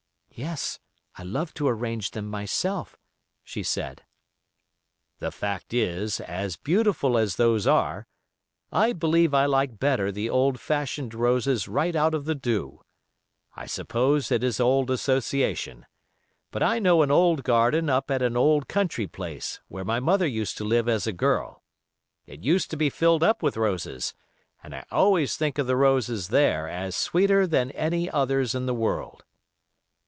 "Yes, I love to arrange them myself," she said. "The fact is, as beautiful as those are, I believe I like better the old fashioned roses right out of the dew. I suppose it is old association. But I know an old garden up at an old country place, where my mother used to live as a girl. It used to be filled up with roses, and I always think of the roses there as sweeter than any others in the world."